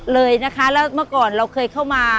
เลยนะคะแล้วเมื่อก่อนเราเคยเข้ามา